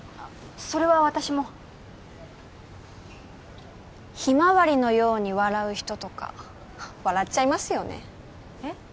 それは私もひまわりのように笑う人とか笑っちゃいますよねえっ？